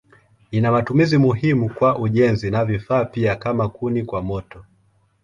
Ina matumizi muhimu kwa ujenzi na vifaa pia kama kuni kwa moto.